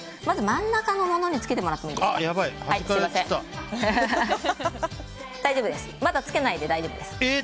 まず、真ん中のものにつけてもらってもいいですか？